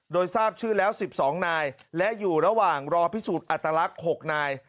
โดยทราบชื่อแล้ว๑๒นายและอยู่ระหว่างรอพิสูจน์อัตลักษณ์๖นาย